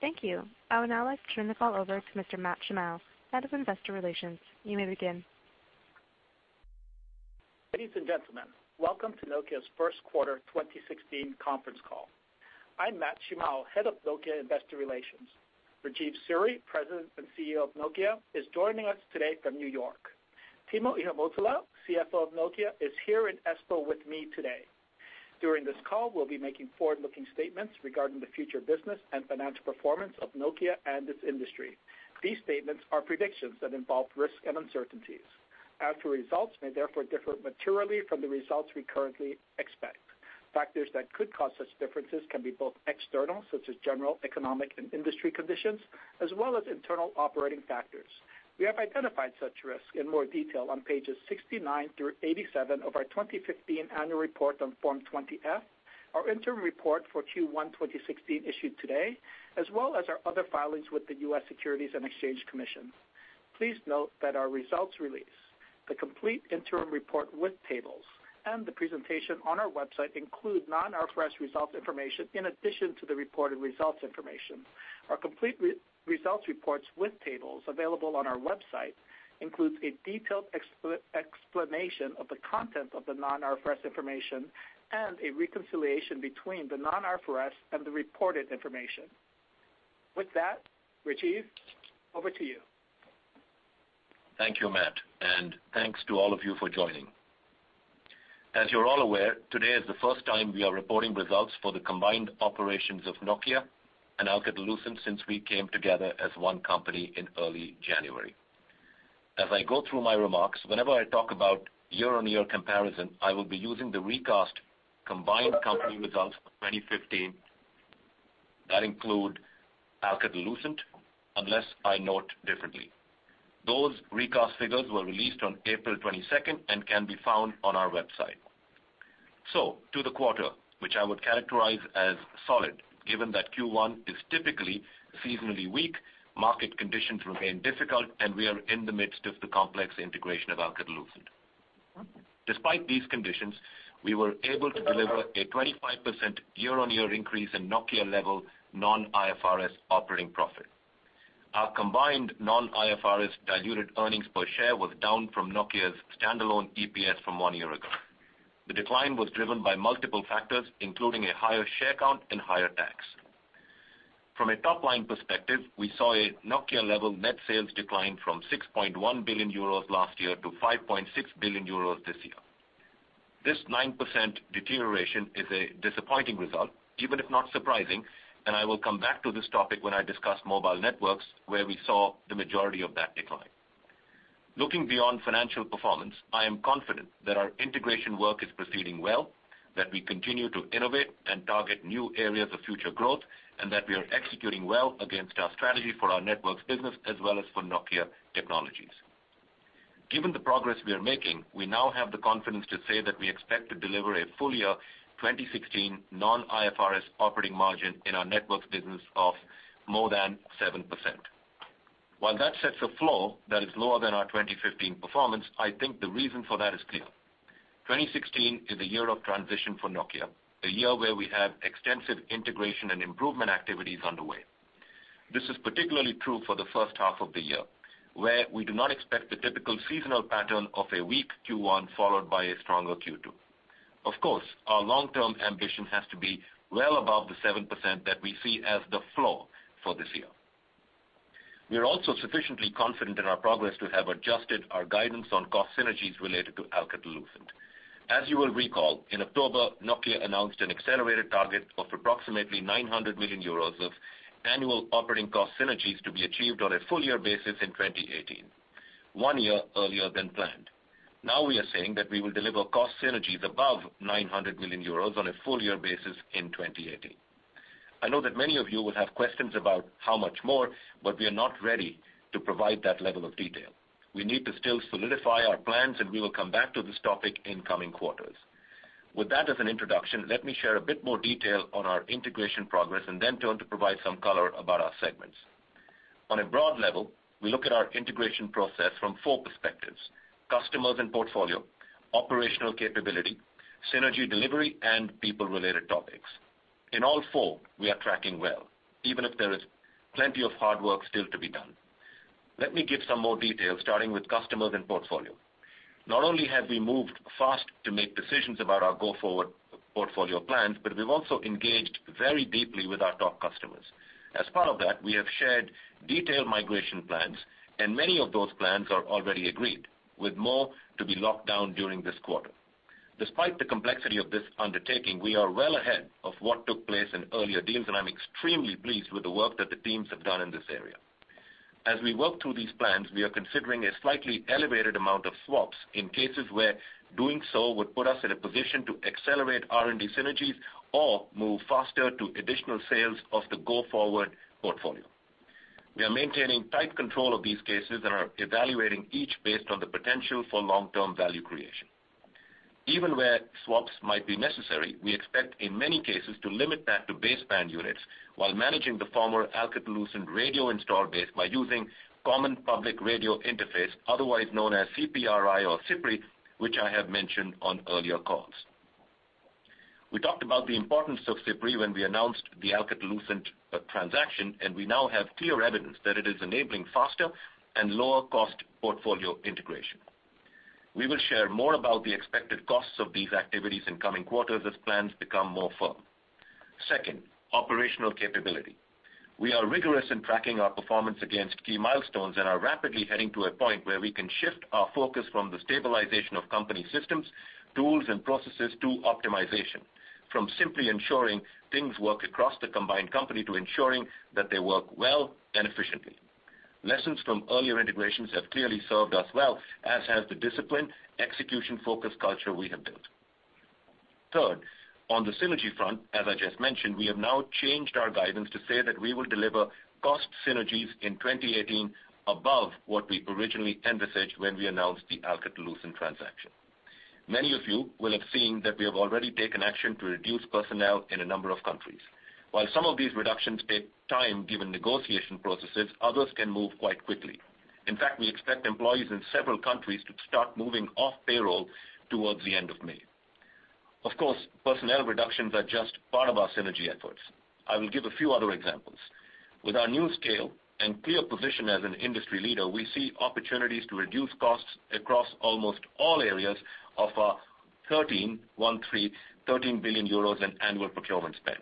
Thank you. I would now like to turn the call over to Mr. Matt Shimao, Head of Investor Relations. You may begin. Ladies and gentlemen, welcome to Nokia's first quarter 2016 conference call. I'm Matt Shimao, Head of Nokia Investor Relations. Rajeev Suri, President and Chief Executive Officer of Nokia, is joining us today from New York. Timo Ihamuotila, Chief Financial Officer of Nokia, is here in Espoo with me today. During this call, we'll be making forward-looking statements regarding the future business and financial performance of Nokia and its industry. These statements are predictions that involve risks and uncertainties. Actual results may therefore differ materially from the results we currently expect. Factors that could cause such differences can be both external, such as general economic and industry conditions, as well as internal operating factors. We have identified such risks in more detail on pages 69 through 87 of our 2015 annual report on Form 20-F, our interim report for Q1 2016 issued today, as well as our other filings with the U.S. Securities and Exchange Commission. Please note that our results release, the complete interim report with tables, and the presentation on our website include non-IFRS results information in addition to the reported results information. Our complete results reports with tables available on our website includes a detailed explanation of the content of the non-IFRS information and a reconciliation between the non-IFRS and the reported information. With that, Rajeev, over to you. Thank you, Matt, and thanks to all of you for joining. As you're all aware, today is the first time we are reporting results for the combined operations of Nokia and Alcatel-Lucent since we came together as one company in early January. As I go through my remarks, whenever I talk about year-on-year comparison, I will be using the recast combined company results for 2015 that include Alcatel-Lucent, unless I note differently. Those recast figures were released on April 22nd and can be found on our website. To the quarter, which I would characterize as solid, given that Q1 is typically seasonally weak, market conditions remain difficult, and we are in the midst of the complex integration of Alcatel-Lucent. Despite these conditions, we were able to deliver a 25% year-on-year increase in Nokia level non-IFRS operating profit. Our combined non-IFRS diluted earnings per share was down from Nokia's standalone EPS from one year ago. The decline was driven by multiple factors, including a higher share count and higher tax. From a top-line perspective, we saw a Nokia level net sales decline from 6.1 billion euros last year to 5.6 billion euros this year. This 9% deterioration is a disappointing result, even if not surprising. I will come back to this topic when I discuss Mobile Networks, where we saw the majority of that decline. Looking beyond financial performance, I am confident that our integration work is proceeding well, that we continue to innovate and target new areas of future growth, and that we are executing well against our strategy for our networks business as well as for Nokia Technologies. Given the progress we are making, we now have the confidence to say that we expect to deliver a full year 2016 non-IFRS operating margin in our networks business of more than 7%. While that sets a floor that is lower than our 2015 performance, I think the reason for that is clear. 2016 is a year of transition for Nokia, a year where we have extensive integration and improvement activities underway. This is particularly true for the first half of the year, where we do not expect the typical seasonal pattern of a weak Q1 followed by a stronger Q2. Our long-term ambition has to be well above the 7% that we see as the floor for this year. We are also sufficiently confident in our progress to have adjusted our guidance on cost synergies related to Alcatel-Lucent. As you will recall, in October, Nokia announced an accelerated target of approximately 900 million euros of annual operating cost synergies to be achieved on a full year basis in 2018, one year earlier than planned. We are saying that we will deliver cost synergies above 900 million euros on a full year basis in 2018. I know that many of you will have questions about how much more. We are not ready to provide that level of detail. We need to still solidify our plans. We will come back to this topic in coming quarters. With that as an introduction, let me share a bit more detail on our integration progress. Then turn to provide some color about our segments. On a broad level, we look at our integration process from four perspectives: customers and portfolio, operational capability, synergy delivery, and people-related topics. In all four, we are tracking well, even if there is plenty of hard work still to be done. Let me give some more details, starting with customers and portfolio. Not only have we moved fast to make decisions about our go-forward portfolio plans, we've also engaged very deeply with our top customers. As part of that, we have shared detailed migration plans. Many of those plans are already agreed, with more to be locked down during this quarter. Despite the complexity of this undertaking, we are well ahead of what took place in earlier deals. I'm extremely pleased with the work that the teams have done in this area. As we work through these plans, we are considering a slightly elevated amount of swaps in cases where doing so would put us in a position to accelerate R&D synergies or move faster to additional sales of the go-forward portfolio. We are maintaining tight control of these cases and are evaluating each based on the potential for long-term value creation. Even where swaps might be necessary, we expect in many cases to limit that to baseband units while managing the former Alcatel-Lucent radio install base by using Common Public Radio Interface, otherwise known as CPRI or CPRI, which I have mentioned on earlier calls. We talked about the importance of CPRI when we announced the Alcatel-Lucent transaction, and we now have clear evidence that it is enabling faster and lower cost portfolio integration. We will share more about the expected costs of these activities in coming quarters as plans become more firm. Second, operational capability. We are rigorous in tracking our performance against key milestones and are rapidly heading to a point where we can shift our focus from the stabilization of company systems, tools, and processes to optimization. From simply ensuring things work across the combined company to ensuring that they work well and efficiently. Lessons from earlier integrations have clearly served us well, as has the discipline, execution-focused culture we have built. Third, on the synergy front, as I just mentioned, we have now changed our guidance to say that we will deliver cost synergies in 2018 above what we originally envisaged when we announced the Alcatel-Lucent transaction. Many of you will have seen that we have already taken action to reduce personnel in a number of countries. While some of these reductions take time, given negotiation processes, others can move quite quickly. In fact, we expect employees in several countries to start moving off payroll towards the end of May. Of course, personnel reductions are just part of our synergy efforts. I will give a few other examples. With our new scale and clear position as an industry leader, we see opportunities to reduce costs across almost all areas of our 13 billion euros in annual procurement spend.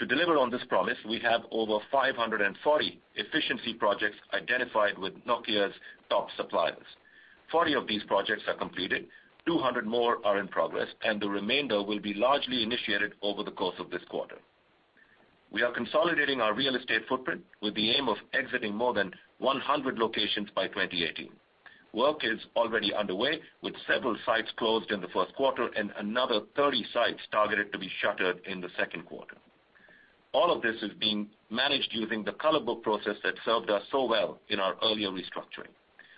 To deliver on this promise, we have over 540 efficiency projects identified with Nokia's top suppliers. 40 of these projects are completed, 200 more are in progress, and the remainder will be largely initiated over the course of this quarter. We are consolidating our real estate footprint with the aim of exiting more than 100 locations by 2018. Work is already underway, with several sites closed in the first quarter and another 30 sites targeted to be shuttered in the second quarter. All of this is being managed using the color book process that served us so well in our earlier restructuring.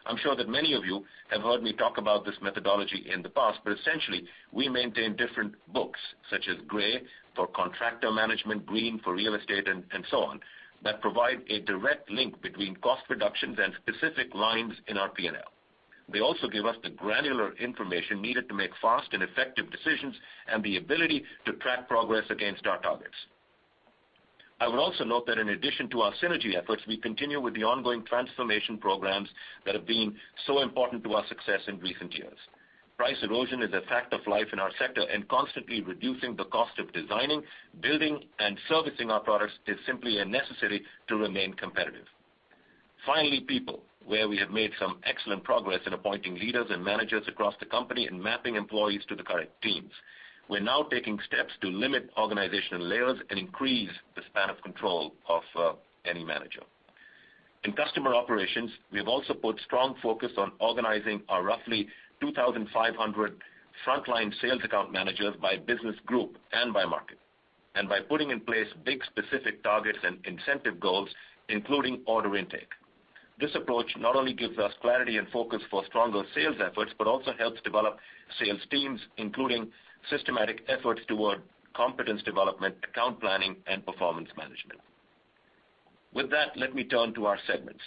I'm sure that many of you have heard me talk about this methodology in the past, essentially we maintain different books, such as gray for contractor management, green for real estate, and so on, that provide a direct link between cost reductions and specific lines in our P&L. They also give us the granular information needed to make fast and effective decisions and the ability to track progress against our targets. I would also note that in addition to our synergy efforts, we continue with the ongoing transformation programs that have been so important to our success in recent years. Price erosion is a fact of life in our sector, and constantly reducing the cost of designing, building, and servicing our products is simply a necessary to remain competitive. Finally, people, where we have made some excellent progress in appointing leaders and managers across the company and mapping employees to the correct teams. We're now taking steps to limit organizational layers and increase the span of control of any manager. In customer operations, we have also put strong focus on organizing our roughly 2,500 frontline sales account managers by business group and by market, and by putting in place big specific targets and incentive goals, including order intake. This approach not only gives us clarity and focus for stronger sales efforts, but also helps develop sales teams, including systematic efforts toward competence development, account planning, and performance management. With that, let me turn to our segments.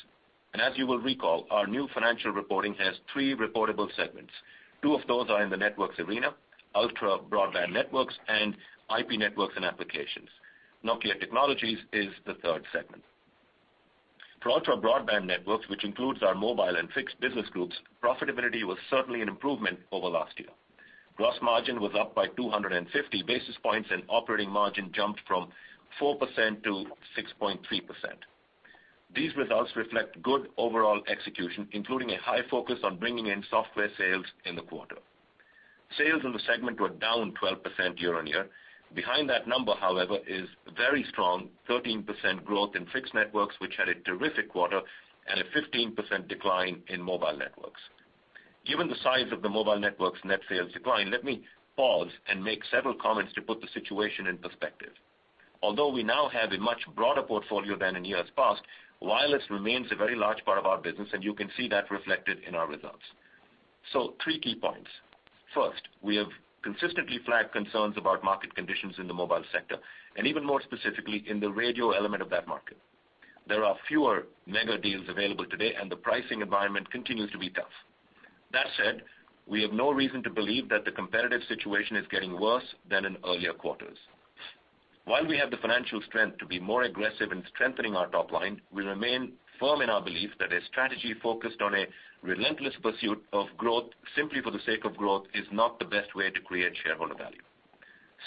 As you will recall, our new financial reporting has three reportable segments. Two of those are in the Networks arena, Ultra Broadband Networks and IP Networks and Applications. Nokia Technologies is the third segment. For Ultra Broadband Networks, which includes our Mobile and Fixed business groups, profitability was certainly an improvement over last year. Gross margin was up by 250 basis points, and operating margin jumped from 4% to 6.3%. These results reflect good overall execution, including a high focus on bringing in software sales in the quarter. Sales in the segment were down 12% year-over-year. Behind that number, however, is very strong 13% growth in Fixed Networks, which had a terrific quarter, and a 15% decline in Mobile Networks. Given the size of the Mobile Networks' net sales decline, let me pause and make several comments to put the situation in perspective. Although we now have a much broader portfolio than in years past, wireless remains a very large part of our business, and you can see that reflected in our results. Three key points. First, we have consistently flagged concerns about market conditions in the mobile sector, and even more specifically, in the radio element of that market. There are fewer mega deals available today, and the pricing environment continues to be tough. That said, we have no reason to believe that the competitive situation is getting worse than in earlier quarters. While we have the financial strength to be more aggressive in strengthening our top line, we remain firm in our belief that a strategy focused on a relentless pursuit of growth simply for the sake of growth is not the best way to create shareholder value.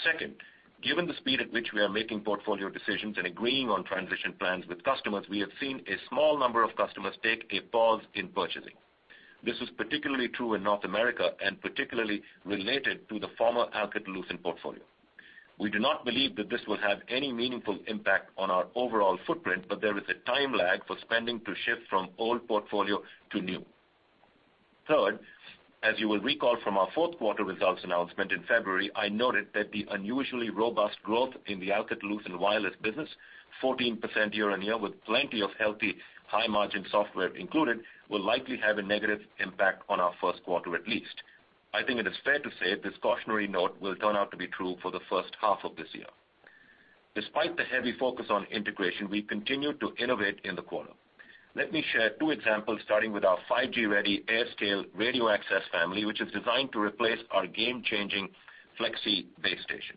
Second, given the speed at which we are making portfolio decisions and agreeing on transition plans with customers, we have seen a small number of customers take a pause in purchasing. This was particularly true in North America and particularly related to the former Alcatel-Lucent portfolio. We do not believe that this will have any meaningful impact on our overall footprint, but there is a time lag for spending to shift from old portfolio to new. Third, as you will recall from our fourth quarter results announcement in February, I noted that the unusually robust growth in the Alcatel-Lucent wireless business, 14% year-over-year with plenty of healthy high-margin software included, will likely have a negative impact on our first quarter at least. I think it is fair to say this cautionary note will turn out to be true for the first half of this year. Despite the heavy focus on integration, we continued to innovate in the quarter. Let me share two examples, starting with our 5G-ready AirScale radio access family, which is designed to replace our game-changing Flexi base station.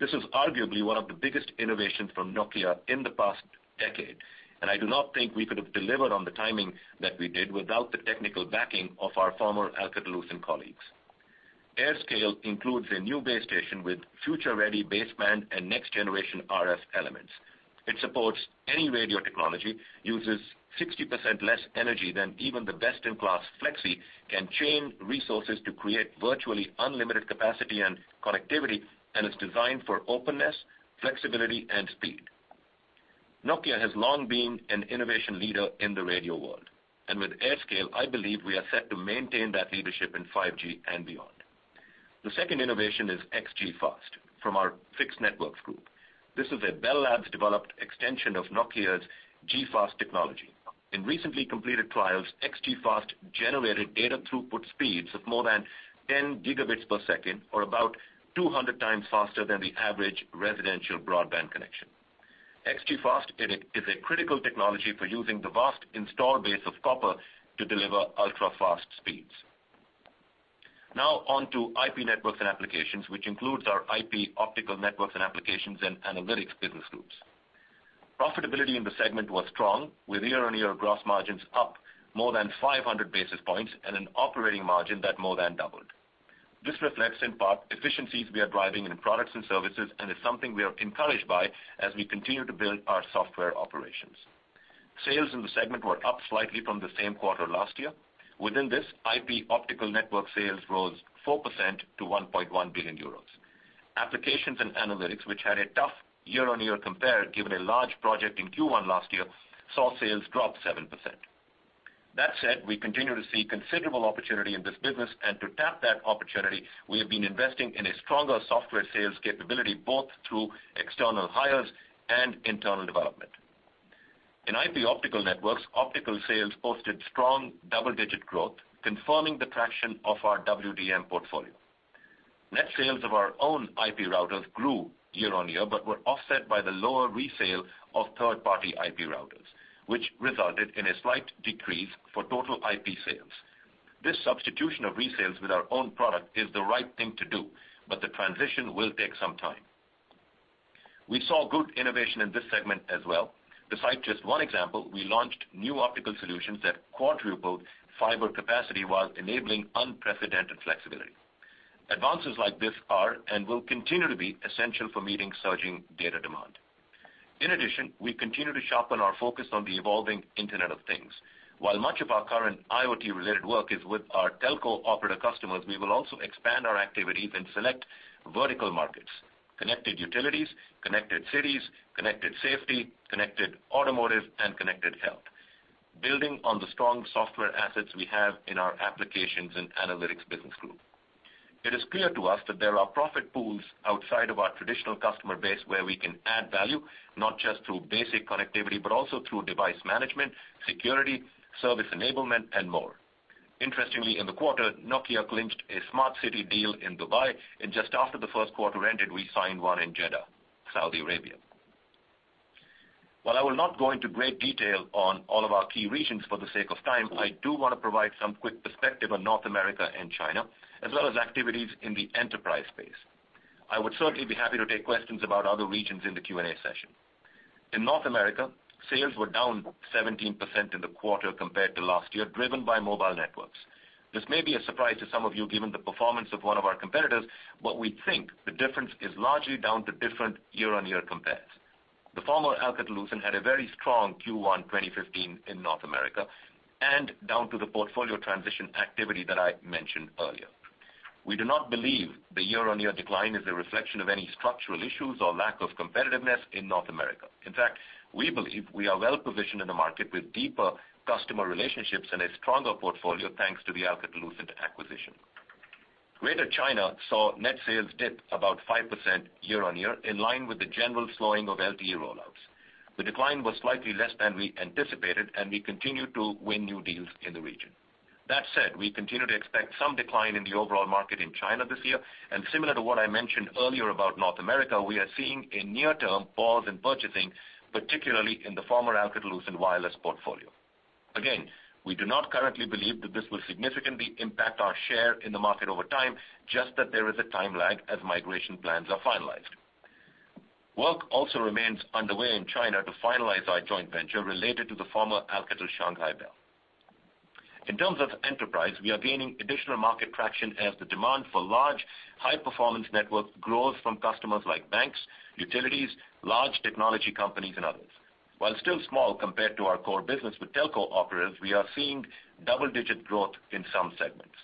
This is arguably one of the biggest innovations from Nokia in the past decade, and I do not think we could have delivered on the timing that we did without the technical backing of our former Alcatel-Lucent colleagues. AirScale includes a new base station with future-ready baseband and next generation RF elements. It supports any radio technology, uses 60% less energy than even the best in class Flexi, can chain resources to create virtually unlimited capacity and connectivity, and is designed for openness, flexibility, and speed. Nokia has long been an innovation leader in the radio world. With AirScale, I believe we are set to maintain that leadership in 5G and beyond. The second innovation is XG-FAST from our Fixed Networks group. This is a Bell Labs-developed extension of Nokia's G.fast technology. In recently completed trials, XG-FAST generated data throughput speeds of more than 10 gigabits per second, or about 200 times faster than the average residential broadband connection. XG-FAST is a critical technology for using the vast installed base of copper to deliver ultra-fast speeds. On to IP Networks and Applications, which includes our IP/Optical Networks and Applications & Analytics business groups. Profitability in the segment was strong, with year-on-year gross margins up more than 500 basis points and an operating margin that more than doubled. This reflects in part efficiencies we are driving in products and services and is something we are encouraged by as we continue to build our software operations. Sales in the segment were up slightly from the same quarter last year. Within this, IP/Optical Networks sales rose 4% to 1.1 billion euros. Applications & Analytics, which had a tough year-on-year compare given a large project in Q1 last year, saw sales drop 7%. We continue to see considerable opportunity in this business, and to tap that opportunity, we have been investing in a stronger software sales capability both through external hires and internal development. In IP/Optical Networks, optical sales posted strong double-digit growth, confirming the traction of our WDM portfolio. Net sales of our own IP routers grew year-on-year but were offset by the lower resale of third-party IP routers, which resulted in a slight decrease for total IP sales. The substitution of resales with our own product is the right thing to do, the transition will take some time. We saw good innovation in this segment as well. To cite just one example, we launched new optical solutions that quadrupled fiber capacity while enabling unprecedented flexibility. Advances like this are and will continue to be essential for meeting surging data demand. We continue to sharpen our focus on the evolving Internet of Things. While much of our current IoT related work is with our telco operator customers, we will also expand our activities in select vertical markets: connected utilities, connected cities, connected safety, connected automotive, and connected health, building on the strong software assets we have in our Applications & Analytics business group. It is clear to us that there are profit pools outside of our traditional customer base where we can add value, not just through basic connectivity, but also through device management, security, service enablement, and more. Interestingly, in the quarter, Nokia clinched a smart city deal in Dubai, and just after the first quarter ended, we signed one in Jeddah, Saudi Arabia. While I will not go into great detail on all of our key regions for the sake of time, I do want to provide some quick perspective on North America and China, as well as activities in the enterprise space. I would certainly be happy to take questions about other regions in the Q&A session. In North America, sales were down 17% in the quarter compared to last year, driven by Mobile Networks. This may be a surprise to some of you given the performance of one of our competitors, but we think the difference is largely down to different year-on-year compares. The former Alcatel-Lucent had a very strong Q1 2015 in North America and down to the portfolio transition activity that I mentioned earlier. We do not believe the year-on-year decline is a reflection of any structural issues or lack of competitiveness in North America. In fact, we believe we are well positioned in the market with deeper customer relationships and a stronger portfolio, thanks to the Alcatel-Lucent acquisition. Greater China saw net sales dip about 5% year-on-year, in line with the general slowing of LTE rollouts. The decline was slightly less than we anticipated, and we continue to win new deals in the region. That said, we continue to expect some decline in the overall market in China this year, and similar to what I mentioned earlier about North America, we are seeing a near-term pause in purchasing, particularly in the former Alcatel-Lucent wireless portfolio. Again, we do not currently believe that this will significantly impact our share in the market over time, just that there is a time lag as migration plans are finalized. Work also remains underway in China to finalize our joint venture related to the former Alcatel Shanghai Bell. In terms of enterprise, we are gaining additional market traction as the demand for large, high performance networks grows from customers like banks, utilities, large technology companies, and others. While still small compared to our core business with telco operators, we are seeing double-digit growth in some segments.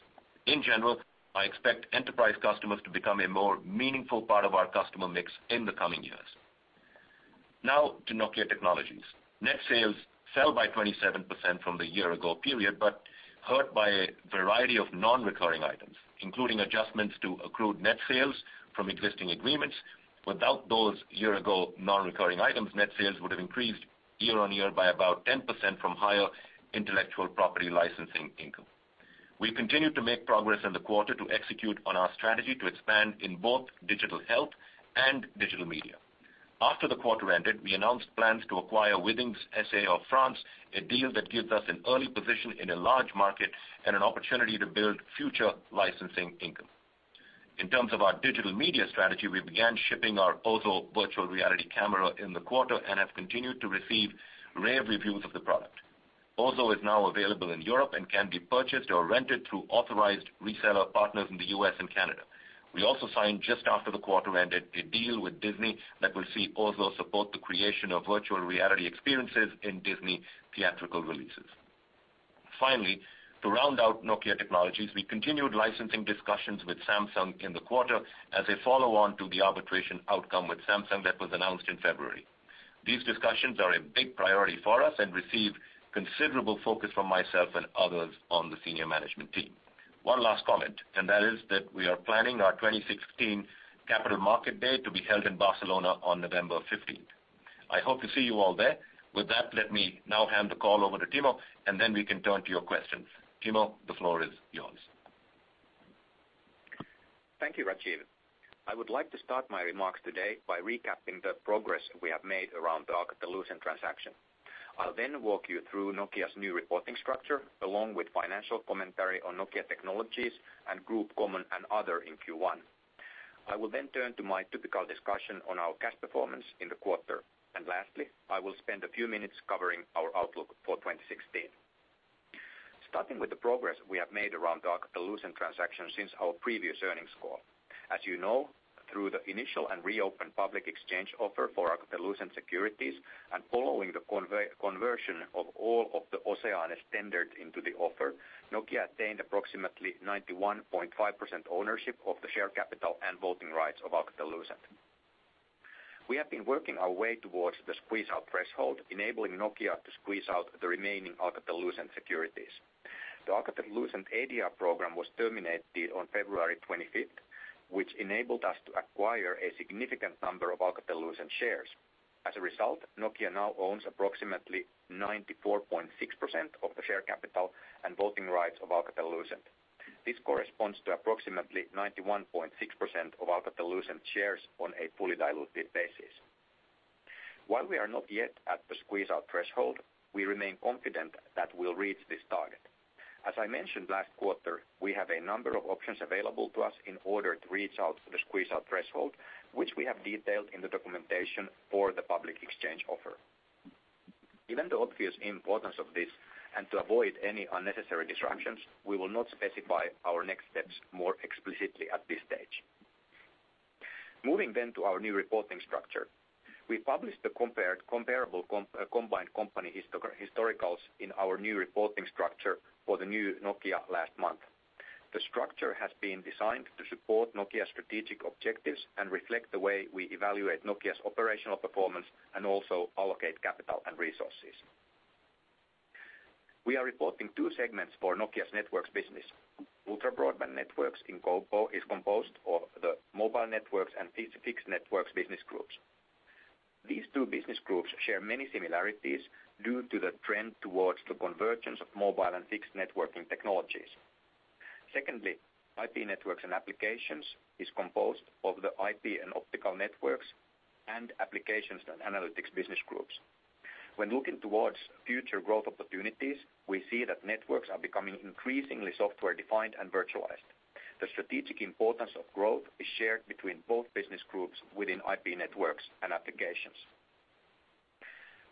In general, I expect enterprise customers to become a more meaningful part of our customer mix in the coming years. Now to Nokia Technologies. Net sales fell by 27% from the year ago period, but hurt by a variety of non-recurring items, including adjustments to accrued net sales from existing agreements. Without those year ago non-recurring items, net sales would have increased year-on-year by about 10% from higher intellectual property licensing income. We continued to make progress in the quarter to execute on our strategy to expand in both digital health and digital media. After the quarter ended, we announced plans to acquire Withings S.A. of France, a deal that gives us an early position in a large market and an opportunity to build future licensing income. In terms of our digital media strategy, we began shipping our OZO virtual reality camera in the quarter and have continued to receive rave reviews of the product. OZO is now available in Europe and can be purchased or rented through authorized reseller partners in the U.S. and Canada. We also signed just after the quarter ended a deal with Disney that will see OZO support the creation of virtual reality experiences in Disney theatrical releases. To round out Nokia Technologies, we continued licensing discussions with Samsung in the quarter as a follow-on to the arbitration outcome with Samsung that was announced in February. These discussions are a big priority for us and receive considerable focus from myself and others on the senior management team. One last comment, that is that we are planning our 2016 capital market day to be held in Barcelona on November 15th. I hope to see you all there. With that, let me now hand the call over to Timo, and then we can turn to your questions. Timo, the floor is yours. Thank you, Rajeev. I would like to start my remarks today by recapping the progress we have made around the Alcatel-Lucent transaction. I'll then walk you through Nokia's new reporting structure, along with financial commentary on Nokia Technologies and Group Common and Other in Q1. I will then turn to my typical discussion on our cash performance in the quarter. Lastly, I will spend a few minutes covering our outlook for 2016. Starting with the progress we have made around the Alcatel-Lucent transaction since our previous earnings call. As you know, through the initial and reopened public exchange offer for Alcatel-Lucent securities and following the conversion of all of the OCEANE tendered into the offer, Nokia attained approximately 91.5% ownership of the share capital and voting rights of Alcatel-Lucent. We have been working our way towards the squeeze-out threshold, enabling Nokia to squeeze out the remaining Alcatel-Lucent securities. The Alcatel-Lucent ADR program was terminated on February 25th, which enabled us to acquire a significant number of Alcatel-Lucent shares. As a result, Nokia now owns approximately 94.6% of the share capital and voting rights of Alcatel-Lucent. This corresponds to approximately 91.6% of Alcatel-Lucent shares on a fully diluted basis. While we are not yet at the squeeze-out threshold, we remain confident that we'll reach this target. As I mentioned last quarter, we have a number of options available to us in order to reach out to the squeeze-out threshold, which we have detailed in the documentation for the public exchange offer. Given the obvious importance of this and to avoid any unnecessary disruptions, we will not specify our next steps more explicitly at this stage. Moving to our new reporting structure. We published the comparable combined company historicals in our new reporting structure for the new Nokia last month. The structure has been designed to support Nokia's strategic objectives and reflect the way we evaluate Nokia's operational performance and also allocate capital and resources. We are reporting two segments for Nokia's networks business. Ultra Broadband Networks in combo is composed of the Mobile Networks and Fixed Networks business groups. These two business groups share many similarities due to the trend towards the convergence of mobile and fixed networking technologies. Secondly, IP Networks and Applications is composed of the IP/Optical Networks and Applications & Analytics business groups. When looking towards future growth opportunities, we see that networks are becoming increasingly software-defined and virtualized. The strategic importance of growth is shared between both business groups within IP Networks and Applications.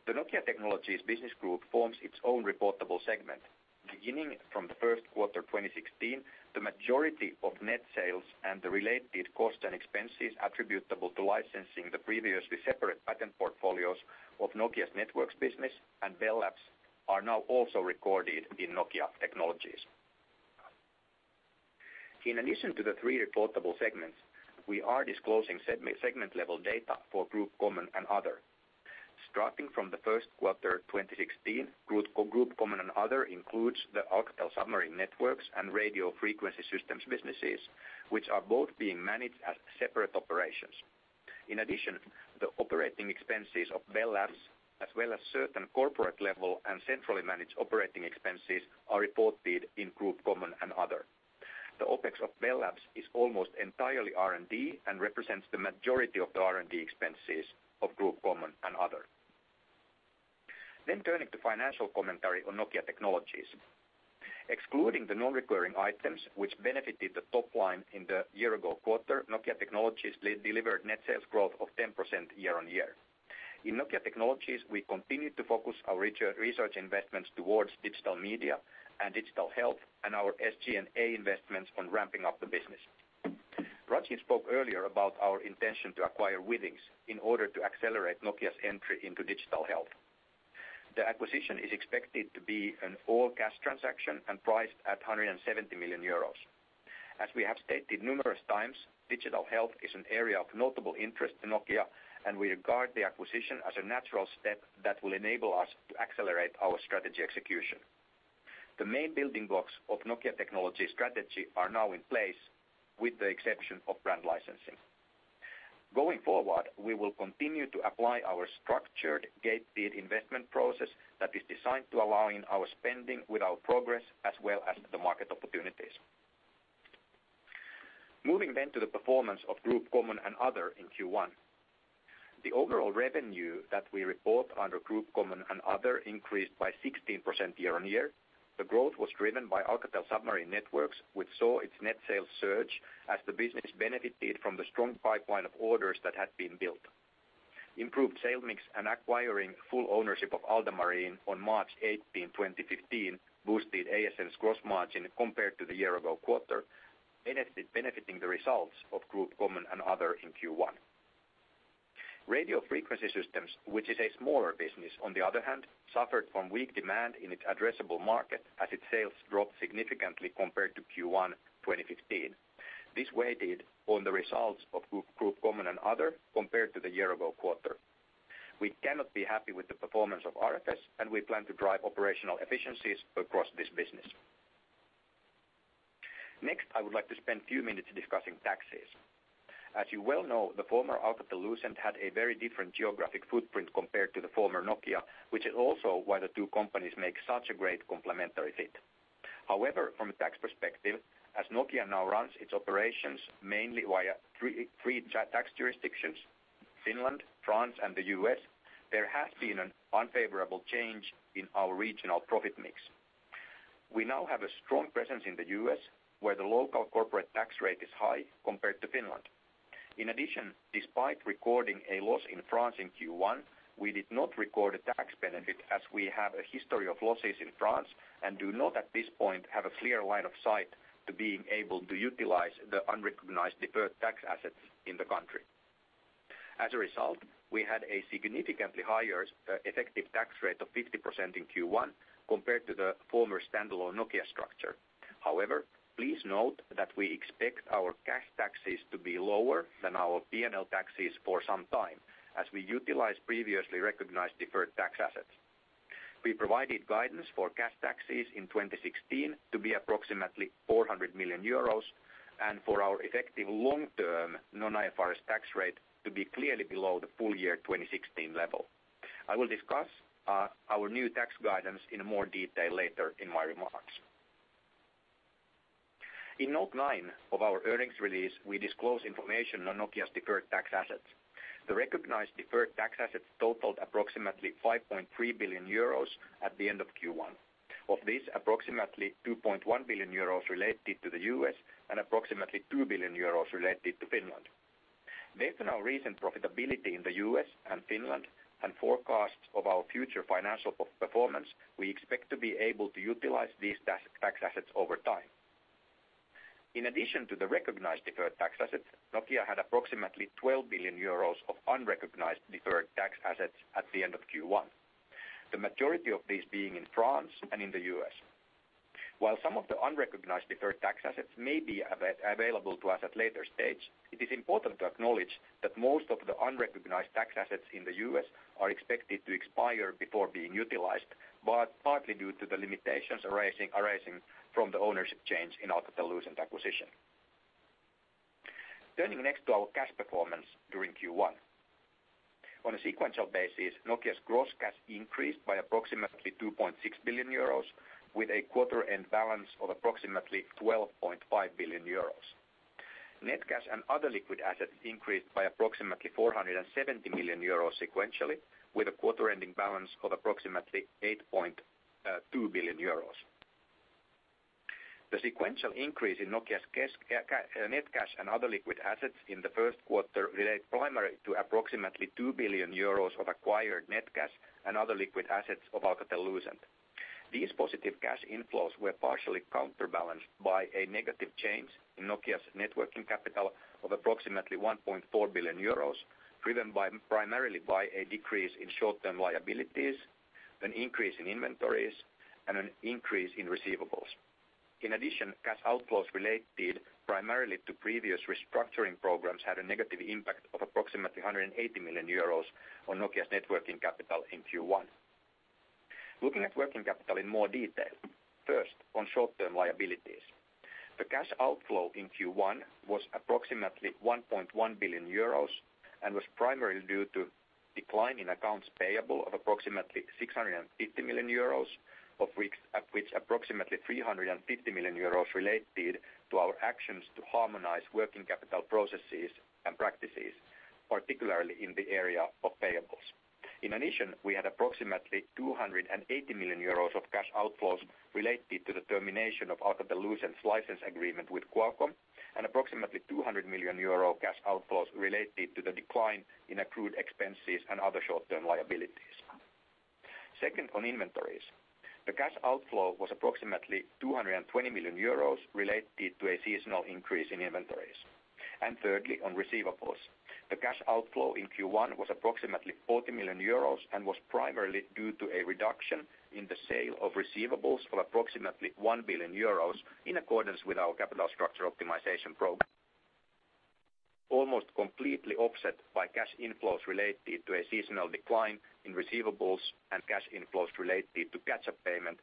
The Nokia Technologies business group forms its own reportable segment. Beginning from the first quarter 2016, the majority of net sales and the related costs and expenses attributable to licensing the previously separate patent portfolios of Nokia's networks business and Bell Labs are now also recorded in Nokia Technologies. In addition to the three reportable segments, we are disclosing segment-level data for Group Common and Other. Starting from the first quarter 2016, Group Common and Other includes the Alcatel Submarine Networks and Radio Frequency Systems businesses, which are both being managed as separate operations. In addition, the operating expenses of Bell Labs, as well as certain corporate-level and centrally managed operating expenses, are reported in Group Common and Other. The OpEx of Bell Labs is almost entirely R&D and represents the majority of the R&D expenses of Group Common and Other. Turning to financial commentary on Nokia Technologies. Excluding the non-recurring items which benefited the top line in the year-ago quarter, Nokia Technologies delivered net sales growth of 10% year-on-year. In Nokia Technologies, we continued to focus our research investments towards digital media and digital health and our SG&A investments on ramping up the business. Rajeev spoke earlier about our intention to acquire Withings in order to accelerate Nokia's entry into digital health. The acquisition is expected to be an all-cash transaction and priced at 170 million euros. As we have stated numerous times, digital health is an area of notable interest to Nokia, and we regard the acquisition as a natural step that will enable us to accelerate our strategy execution. The main building blocks of Nokia Technologies strategy are now in place, with the exception of brand licensing. Going forward, we will continue to apply our structured gate deed investment process that is designed to align our spending with our progress, as well as the market opportunities. Moving to the performance of Group Common and Other in Q1. The overall revenue that we report under Group Common and Other increased by 16% year-on-year. The growth was driven by Alcatel Submarine Networks, which saw its net sales surge as the business benefited from the strong pipeline of orders that had been built. Improved sales mix and acquiring full ownership of ALDA Marine on March 18, 2015, boosted ASN's gross margin compared to the year-ago quarter, benefiting the results of Group Common and Other in Q1. Radio Frequency Systems, which is a smaller business, on the other hand, suffered from weak demand in its addressable market as its sales dropped significantly compared to Q1 2015. This weighed on the results of Group Common and Other compared to the year-ago quarter. We cannot be happy with the performance of RFS, and we plan to drive operational efficiencies across this business. Next, I would like to spend a few minutes discussing taxes. As you well know, the former Alcatel-Lucent had a very different geographic footprint compared to the former Nokia, which is also why the two companies make such a great complementary fit. However, from a tax perspective, as Nokia now runs its operations mainly via three tax jurisdictions, Finland, France, and the U.S., there has been an unfavorable change in our regional profit mix. We now have a strong presence in the U.S., where the local corporate tax rate is high compared to Finland. In addition, despite recording a loss in France in Q1, we did not record a tax benefit as we have a history of losses in France and do not at this point have a clear line of sight to being able to utilize the unrecognized deferred tax assets in the country. As a result, we had a significantly higher effective tax rate of 50% in Q1 compared to the former standalone Nokia structure. However, please note that we expect our cash taxes to be lower than our P&L taxes for some time, as we utilize previously recognized deferred tax assets. We provided guidance for cash taxes in 2016 to be approximately 400 million euros, and for our effective long-term non-IFRS tax rate to be clearly below the full year 2016 level. I will discuss our new tax guidance in more detail later in my remarks. In note nine of our earnings release, we disclose information on Nokia's deferred tax assets. The recognized deferred tax assets totaled approximately 5.3 billion euros at the end of Q1. Of this, approximately 2.1 billion euros related to the U.S. and approximately 2 billion euros related to Finland. Based on our recent profitability in the U.S. and Finland and forecasts of our future financial performance, we expect to be able to utilize these tax assets over time. In addition to the recognized deferred tax assets, Nokia had approximately 12 billion euros of unrecognized deferred tax assets at the end of Q1. The majority of these being in France and in the U.S. While some of the unrecognized deferred tax assets may be available to us at later stage, it is important to acknowledge that most of the unrecognized tax assets in the U.S. are expected to expire before being utilized, but partly due to the limitations arising from the ownership change in Alcatel-Lucent acquisition. Turning next to our cash performance during Q1. On a sequential basis, Nokia's gross cash increased by approximately 2.6 billion euros with a quarter-end balance of approximately 12.5 billion euros. Net cash and other liquid assets increased by approximately 470 million euros sequentially, with a quarter ending balance of approximately 8.2 billion euros. The sequential increase in Nokia's net cash and other liquid assets in the first quarter relate primarily to approximately 2 billion euros of acquired net cash and other liquid assets of Alcatel-Lucent. These positive cash inflows were partially counterbalanced by a negative change in Nokia's networking capital of approximately 1.4 billion euros, driven primarily by a decrease in short-term liabilities, an increase in inventories, and an increase in receivables. In addition, cash outflows related primarily to previous restructuring programs had a negative impact of approximately 180 million euros on Nokia's networking capital in Q1. Looking at working capital in more detail. First, on short-term liabilities. The cash outflow in Q1 was approximately 1.1 billion euros and was primarily due to decline in accounts payable of approximately 650 million euros, of which approximately 350 million euros related to our actions to harmonize working capital processes and practices, particularly in the area of payables. In addition, we had approximately 280 million euros of cash outflows related to the termination of Alcatel-Lucent's license agreement with Qualcomm, and approximately 200 million euro cash outflows related to the decline in accrued expenses and other short-term liabilities. Second, on inventories. The cash outflow was approximately 220 million euros related to a seasonal increase in inventories. Thirdly, on receivables. The cash outflow in Q1 was approximately 40 million euros and was primarily due to a reduction in the sale of receivables for approximately 1 billion euros in accordance with our capital structure optimization program, almost completely offset by cash inflows related to a seasonal decline in receivables and cash inflows related to catch-up payment.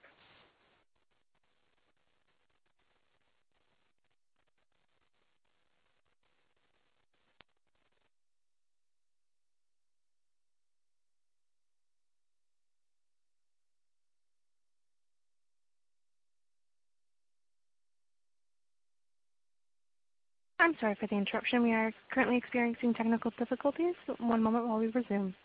I'm sorry for the interruption. We are currently experiencing technical difficulties. One moment while we resume.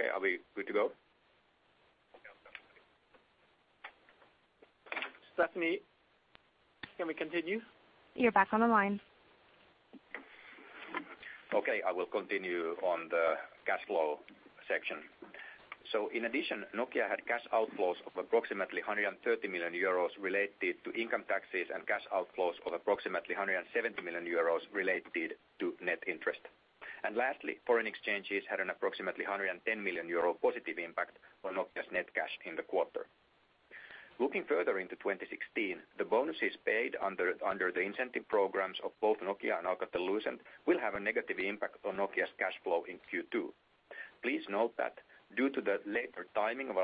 Okay, are we good to go? Stephanie, can we continue? You're back on the line. I will continue on the cash flow section. In addition, Nokia had cash outflows of approximately 130 million euros related to income taxes and cash outflows of approximately 170 million euros related to net interest. Lastly, foreign exchanges had an approximately 110 million euro positive impact on Nokia's net cash in the quarter. Looking further into 2016, the bonuses paid under the incentive programs of both Nokia and Alcatel-Lucent will have a negative impact on Nokia's cash flow in Q2. Please note that due to the later timing of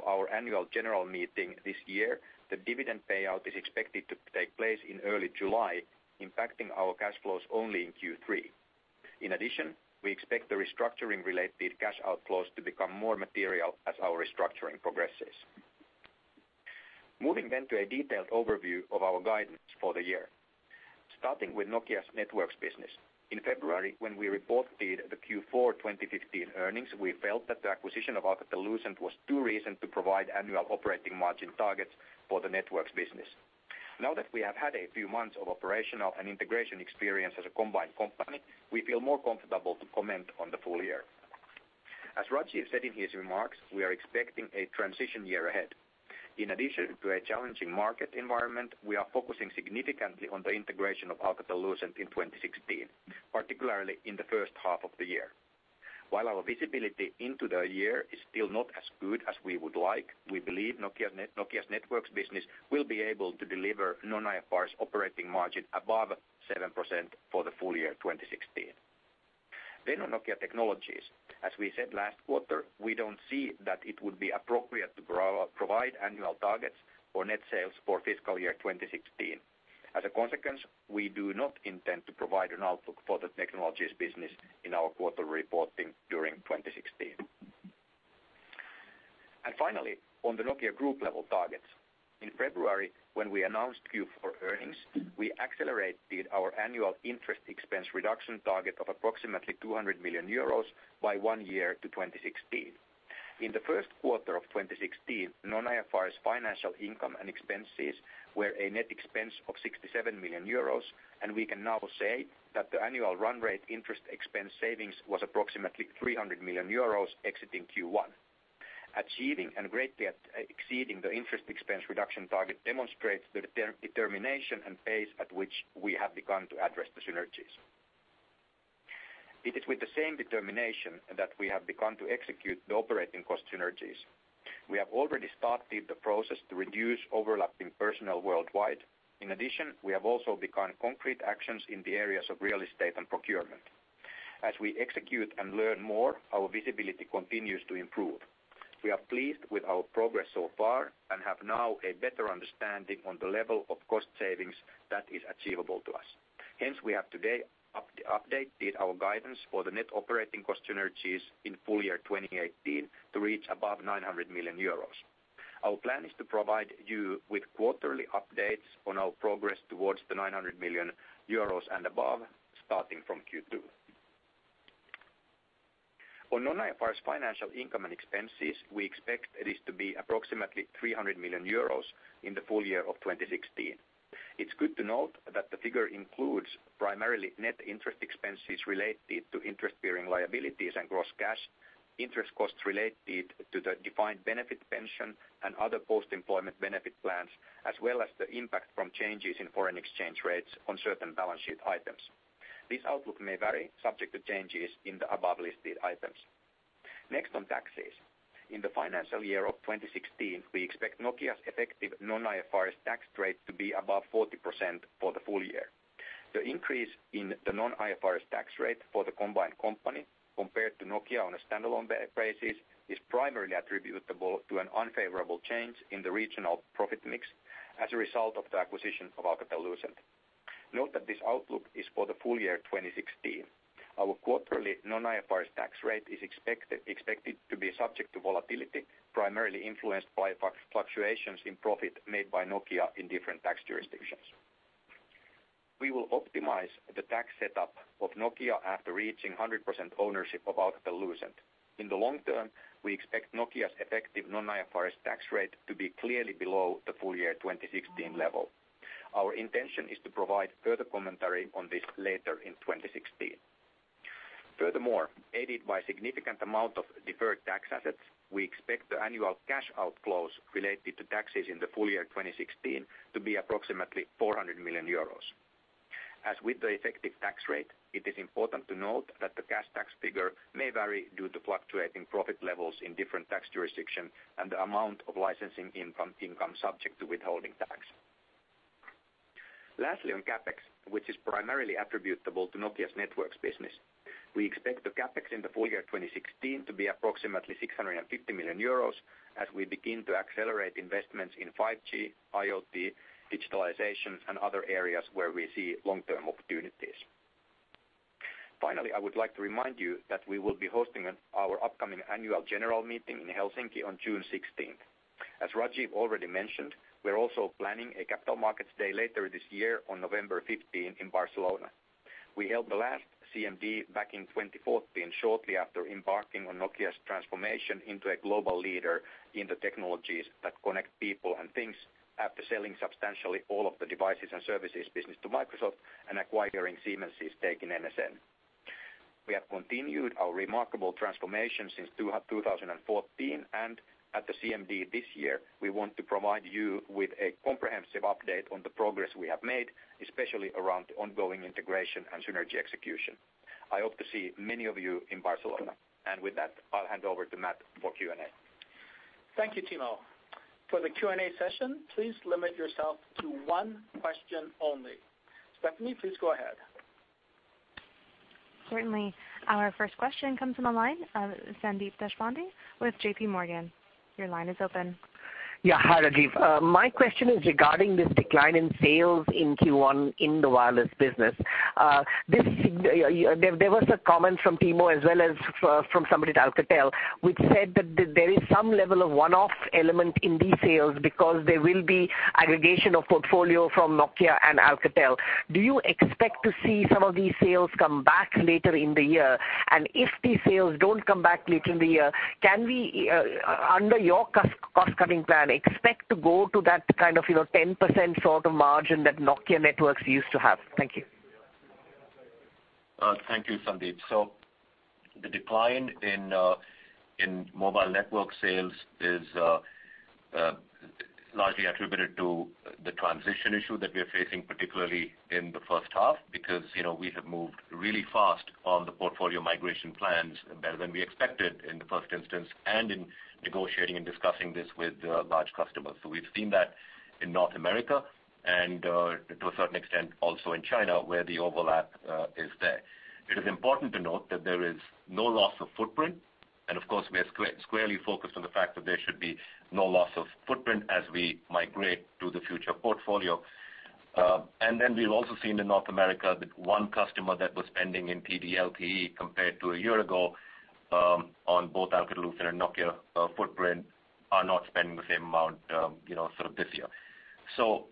our annual general meeting this year, the dividend payout is expected to take place in early July, impacting our cash flows only in Q3. In addition, we expect the restructuring related cash outflows to become more material as our restructuring progresses. Moving to a detailed overview of our guidance for the year. Starting with Nokia's networks business. In February, when we reported the Q4 2015 earnings, we felt that the acquisition of Alcatel-Lucent was too recent to provide annual operating margin targets for the networks business. Now that we have had a few months of operational and integration experience as a combined company, we feel more comfortable to comment on the full year. As Rajeev said in his remarks, we are expecting a transition year ahead. In addition to a challenging market environment, we are focusing significantly on the integration of Alcatel-Lucent in 2016, particularly in the first half of the year. While our visibility into the year is still not as good as we would like, we believe Nokia's networks business will be able to deliver non-IFRS operating margin above 7% for the full year 2016. On Nokia Technologies. As we said last quarter, we don't see that it would be appropriate to provide annual targets or net sales for fiscal year 2016. As a consequence, we do not intend to provide an outlook for the technologies business in our quarter reporting during 2016. Finally, on the Nokia group level targets. In February, when we announced Q4 earnings, we accelerated our annual interest expense reduction target of approximately 200 million euros by one year to 2016. In the first quarter of 2016, non-IFRS financial income and expenses were a net expense of 67 million euros, and we can now say that the annual run rate interest expense savings was approximately 300 million euros exiting Q1. Achieving and greatly exceeding the interest expense reduction target demonstrates the determination and pace at which we have begun to address the synergies. It is with the same determination that we have begun to execute the operating cost synergies. We have already started the process to reduce overlapping personnel worldwide. In addition, we have also begun concrete actions in the areas of real estate and procurement. As we execute and learn more, our visibility continues to improve. We are pleased with our progress so far and have now a better understanding on the level of cost savings that is achievable to us. Hence, we have today updated our guidance for the net operating cost synergies in full year 2018 to reach above 900 million euros. Our plan is to provide you with quarterly updates on our progress towards the 900 million euros and above starting from Q2. On non-IFRS financial income and expenses, we expect this to be approximately 300 million euros in the full year of 2016. It's good to note that the figure includes primarily net interest expenses related to interest-bearing liabilities and gross cash, interest costs related to the defined benefit pension and other post-employment benefit plans, as well as the impact from changes in foreign exchange rates on certain balance sheet items. This outlook may vary subject to changes in the above-listed items. Next on taxes. In the financial year of 2016, we expect Nokia's effective non-IFRS tax rate to be above 40% for the full year. The increase in the non-IFRS tax rate for the combined company compared to Nokia on a standalone basis is primarily attributable to an unfavorable change in the regional profit mix as a result of the acquisition of Alcatel-Lucent. Note that this outlook is for the full year 2016. Our quarterly non-IFRS tax rate is expected to be subject to volatility, primarily influenced by fluctuations in profit made by Nokia in different tax jurisdictions. We will optimize the tax setup of Nokia after reaching 100% ownership of Alcatel-Lucent. In the long term, we expect Nokia's effective non-IFRS tax rate to be clearly below the full year 2016 level. Our intention is to provide further commentary on this later in 2016. Aided by significant amount of deferred tax assets, we expect the annual cash outflows related to taxes in the full year 2016 to be approximately 400 million euros. As with the effective tax rate, it is important to note that the cash tax figure may vary due to fluctuating profit levels in different tax jurisdiction and the amount of licensing income subject to withholding tax. On CapEx, which is primarily attributable to Nokia's networks business. We expect the CapEx in the full year 2016 to be approximately 650 million euros as we begin to accelerate investments in 5G, IoT, digitalization, and other areas where we see long-term opportunities. I would like to remind you that we will be hosting our upcoming annual general meeting in Helsinki on June 16th. As Rajeev already mentioned, we're also planning a Capital Markets Day later this year on November 15 in Barcelona. We held the last CMD back in 2014, shortly after embarking on Nokia's transformation into a global leader in the technologies that connect people and things after selling substantially all of the devices and services business to Microsoft and acquiring Siemens' stake in NSN. We have continued our remarkable transformation since 2014. At the CMD this year, we want to provide you with a comprehensive update on the progress we have made, especially around the ongoing integration and synergy execution. I hope to see many of you in Barcelona. With that, I'll hand over to Matt for Q&A. Thank you, Timo. For the Q&A session, please limit yourself to one question only. Stephanie, please go ahead. Certainly. Our first question comes from the line, Sandeep Deshpande with JP Morgan. Your line is open. Hi, Rajeev. My question is regarding this decline in sales in Q1 in the wireless business. There was a comment from Timo as well as from somebody at Alcatel, which said that there is some level of one-off element in these sales because there will be aggregation of portfolio from Nokia and Alcatel. Do you expect to see some of these sales come back later in the year? If these sales don't come back later in the year, can we, under your cost-cutting plan, expect to go to that kind of 10% sort of margin that Nokia Networks used to have? Thank you. Thank you, Sandeep. The decline in Mobile Networks sales is largely attributed to the transition issue that we are facing, particularly in the first half, because we have moved really fast on the portfolio migration plans than we expected in the first instance, and in negotiating and discussing this with large customers. We've seen that in North America and to a certain extent also in China where the overlap is there. It is important to note that there is no loss of footprint, and of course, we are squarely focused on the fact that there should be no loss of footprint as we migrate to the future portfolio. We've also seen in North America that one customer that was spending in PD LTE compared to a year ago, on both Alcatel-Lucent and Nokia footprint are not spending the same amount this year.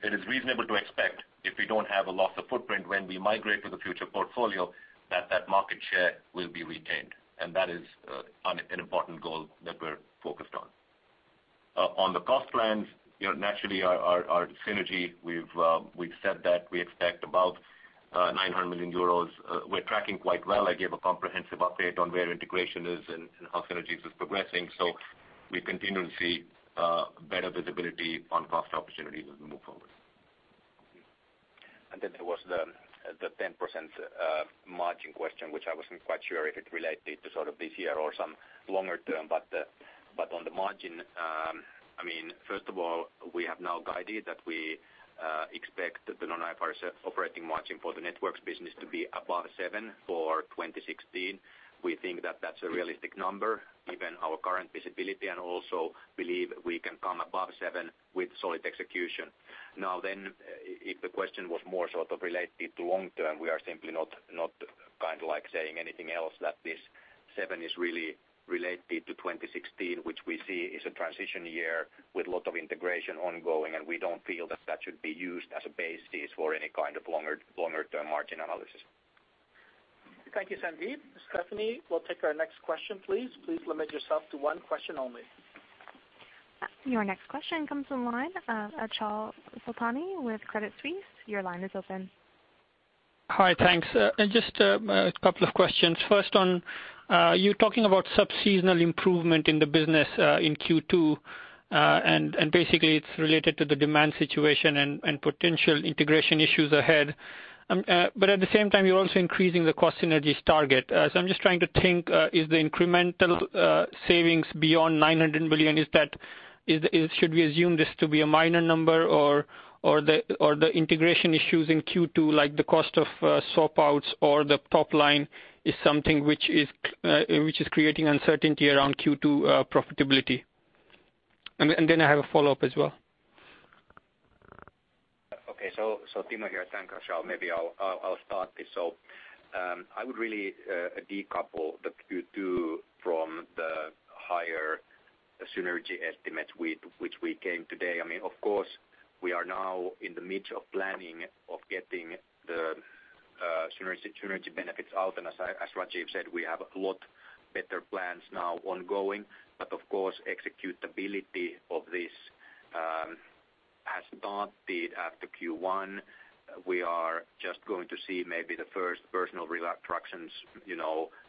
It is reasonable to expect if we don't have a loss of footprint when we migrate to the future portfolio, that that market share will be retained. That is an important goal that we're focused on. On the cost plans, naturally our synergy, we've said that we expect about 900 million euros. We're tracking quite well. I gave a comprehensive update on where integration is and how synergies is progressing. We continue to see better visibility on cost opportunities as we move forward. There was the 10% margin question, which I wasn't quite sure if it related to sort of this year or some longer term. On the margin, first of all, we have now guided that we expect the non-IFRS operating margin for the Networks business to be above 7% for 2016. We think that that's a realistic number, given our current visibility, and also believe we can come above 7% with solid execution. If the question was more sort of related to long term, we are simply not saying anything else that this 7% is really related to 2016, which we see is a transition year with lot of integration ongoing, and we don't feel that that should be used as a basis for any kind of longer term margin analysis. Thank you, Sandeep. Stephanie, we'll take our next question, please. Please limit yourself to one question only. Your next question comes from the line, Achal Sultania with Credit Suisse. Your line is open. Hi, thanks. Just a couple of questions. First on, you talking about sub-seasonal improvement in the business in Q2, basically it's related to the demand situation and potential integration issues ahead. At the same time, you're also increasing the cost synergies target. I'm just trying to think, is the incremental savings beyond 900 million, should we assume this to be a minor number? The integration issues in Q2, like the cost of swap-outs or the top line is something which is creating uncertainty around Q2 profitability? I have a follow-up as well. Okay. Timo here. Thanks, Achal. Maybe I'll start this. I would really decouple the Q2 from the higher synergy estimates which we gave today. Of course, we are now in the midst of planning of getting the synergy benefits out. As Rajeev said, we have a lot better plans now ongoing, but of course, executability of this has started after Q1. We are just going to see maybe the first personal retractions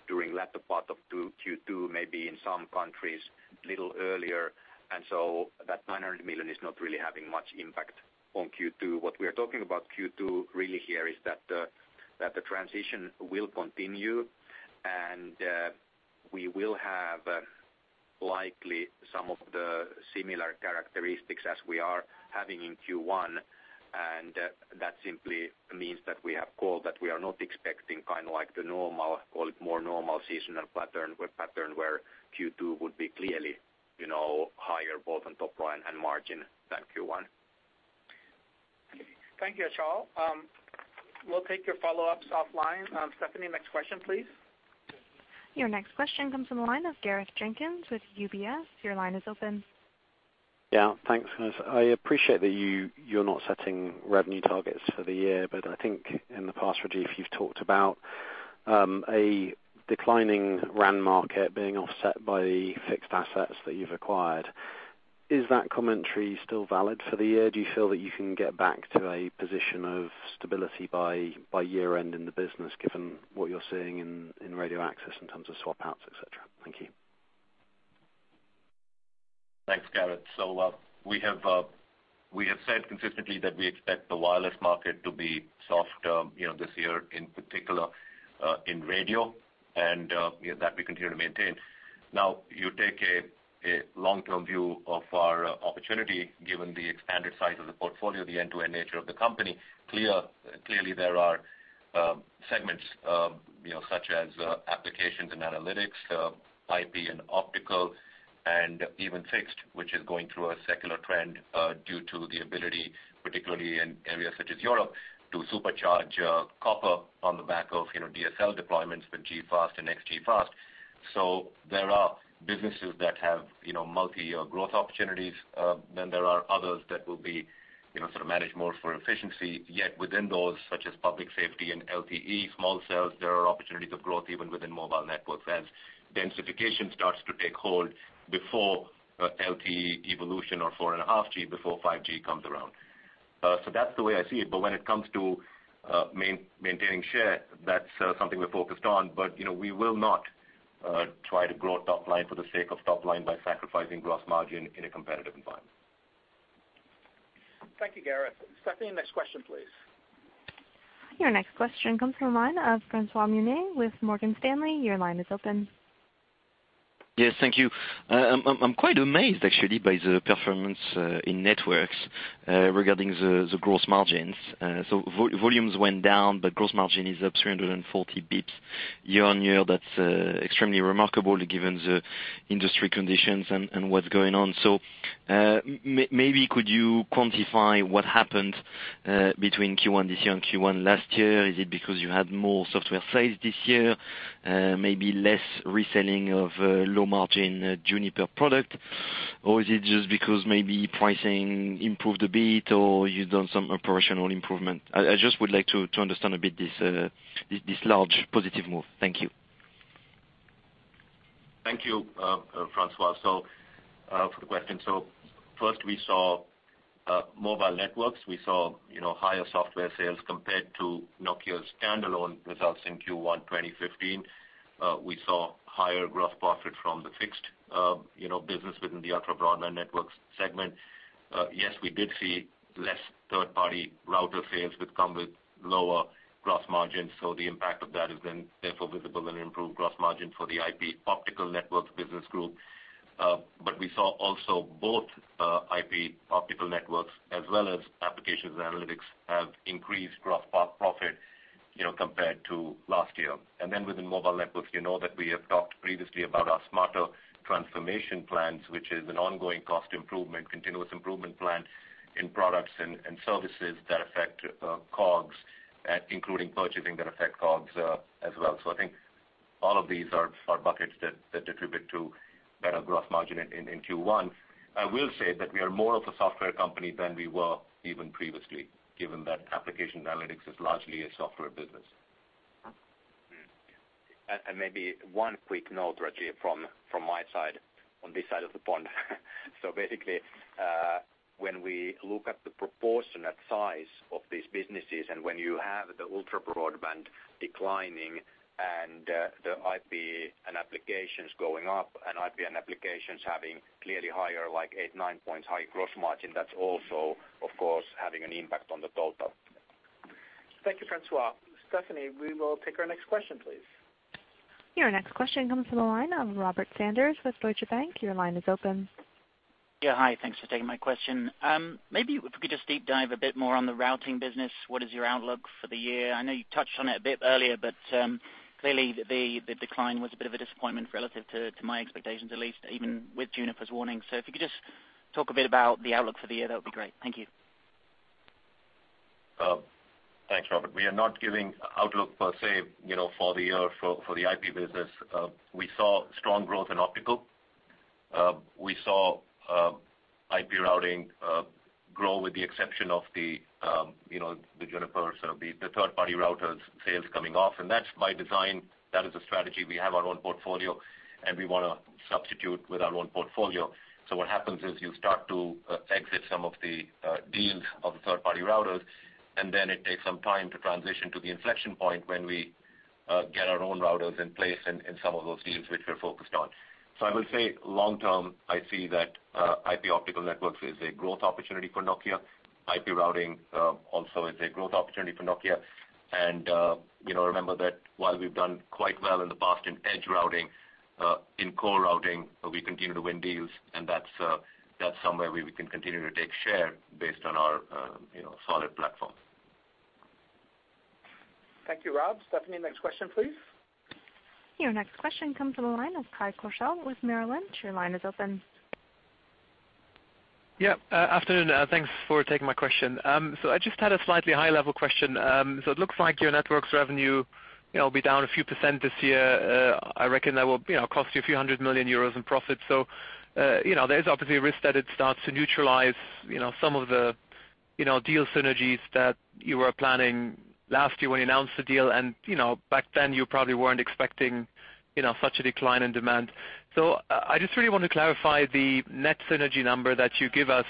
during latter part of Q2, maybe in some countries a little earlier. That 900 million is not really having much impact on Q2. What we are talking about Q2 really here is that the transition will continue, and we will have likely some of the similar characteristics as we are having in Q1. That simply means that we have called that we are not expecting the normal, call it more normal, seasonal pattern where Q2 would be clearly higher both on top line and margin than Q1. Thank you, Achal Sultania. We'll take your follow-ups offline. Stephanie, next question, please. Your next question comes from the line of Gareth Jenkins with UBS. Your line is open. Yeah, thanks. I appreciate that you're not setting revenue targets for the year, but I think in the past, Rajeev, you've talked about a declining RAN market being offset by the fixed assets that you've acquired. Is that commentary still valid for the year? Do you feel that you can get back to a position of stability by year-end in the business, given what you're seeing in radio access in terms of swap-outs, et cetera? Thank you. Thanks, Gareth. We have said consistently that we expect the wireless market to be soft this year, in particular, in radio, and that we continue to maintain. Now, you take a long-term view of our opportunity, given the expanded size of the portfolio, the end-to-end nature of the company. Clearly there are segments such as Applications & Analytics, IP and optical, and even fixed, which is going through a secular trend due to the ability, particularly in areas such as Europe, to supercharge copper on the back of DSL deployments with G.fast and XG-FAST. There are businesses that have multi-year growth opportunities. There are others that will be sort of managed more for efficiency, yet within those, such as public safety and LTE small cells, there are opportunities of growth even within Mobile Networks as densification starts to take hold before LTE evolution or 4.5G before 5G comes around. That's the way I see it. When it comes to maintaining share, that's something we're focused on. We will not try to grow top line for the sake of top line by sacrificing gross margin in a competitive environment. Thank you, Gareth. Stephanie, next question, please. Your next question comes from the line of Francois Meunier with Morgan Stanley. Your line is open. Yes, thank you. I'm quite amazed, actually, by the performance in Networks regarding the gross margins. Volumes went down, gross margin is up 340 basis points year on year. That's extremely remarkable given the industry conditions and what's going on. Maybe could you quantify what happened between Q1 this year and Q1 last year? Is it because you had more software sales this year, maybe less reselling of low margin Juniper product? Is it just because maybe pricing improved a bit, or you've done some operational improvement? I just would like to understand a bit this large positive move. Thank you. Thank you, Francois, for the question. First we saw Mobile Networks. We saw higher software sales compared to Nokia standalone results in Q1 2015. We saw higher gross profit from the Fixed Networks business within the Ultra Broadband Networks segment. Yes, we did see less third-party router sales, which come with lower gross margin. The impact of that has been therefore visible in improved gross margin for the IP/Optical Networks business group. We saw also both IP/Optical Networks as well as Applications & Analytics have increased gross profit compared to last year. Within Mobile Networks, you know that we have talked previously about our smarter transformation plans, which is an ongoing cost improvement, continuous improvement plan in products and services that affect COGS, including purchasing that affect COGS as well. I think all of these are buckets that contribute to better gross margin in Q1. I will say that we are more of a software company than we were even previously, given that Applications & Analytics is largely a software business. Maybe one quick note, Rajeev, from my side, on this side of the pond. Basically, when we look at the proportionate size of these businesses, and when you have the Ultra Broadband Networks declining and the IP Networks and Applications going up, and IP Networks and Applications having clearly higher, like eight, nine points high gross margin, that's also, of course, having an impact on the total. Thank you, Francois. Stephanie, we will take our next question, please. Your next question comes from the line of Robert Sanders with Deutsche Bank. Your line is open. Yeah. Hi, thanks for taking my question. Maybe if we could just deep dive a bit more on the routing business. What is your outlook for the year? I know you touched on it a bit earlier, but clearly the decline was a bit of a disappointment relative to my expectations, at least, even with Juniper's warning. If you could just talk a bit about the outlook for the year, that would be great. Thank you. Thanks, Robert. We are not giving outlook per se for the year for the IP business. We saw strong growth in optical. We saw Routing grow with the exception of the Juniper, the third party routers sales coming off. That's by design. That is a strategy. We have our own portfolio, and we want to substitute with our own portfolio. What happens is you start to exit some of the deals of the third party routers, and then it takes some time to transition to the inflection point when we get our own routers in place in some of those deals which we're focused on. I will say long term, I see that IP optical networks is a growth opportunity for Nokia. IP routing, also is a growth opportunity for Nokia. Remember that while we've done quite well in the past in edge routing, in core routing, we continue to win deals, and that's somewhere where we can continue to take share based on our solid platform. Thank you, Rob. Stephanie, next question, please. Your next question comes from the line of Kai Korschelt with Merrill Lynch. Your line is open. Afternoon, thanks for taking my question. I just had a slightly high level question. It looks like your Networks revenue will be down a few percent this year. I reckon that will cost you a few hundred million EUR in profit. There is obviously a risk that it starts to neutralize some of the deal synergies that you were planning last year when you announced the deal. Back then, you probably weren't expecting such a decline in demand. I just really want to clarify the net synergy number that you give us.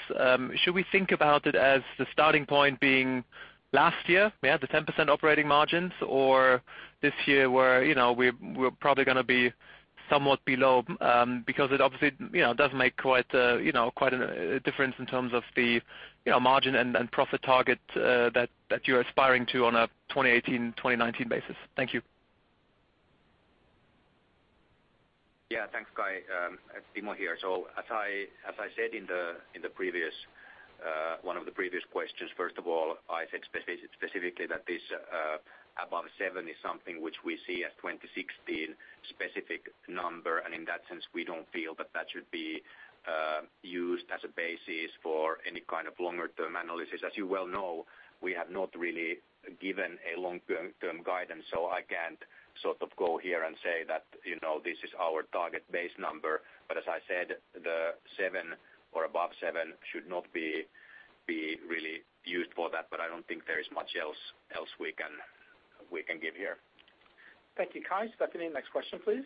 Should we think about it as the starting point being last year, we had the 10% operating margins, or this year where we're probably going to be somewhat below? It obviously does make quite a difference in terms of the margin and profit target that you're aspiring to on a 2018, 2019 basis. Thank you. Yeah. Thanks, Kai. It's Timo here. As I said in one of the previous questions, first of all, I said specifically that this above seven is something which we see as 2016 specific number, and in that sense, we don't feel that that should be used as a basis for any kind of longer-term analysis. As you well know, we have not really given a long-term guidance, so I can't sort of go here and say that this is our target base number. As I said, the seven or above seven should not be really used for that, but I don't think there is much else we can give here. Thank you, Kai. Stephanie, next question, please.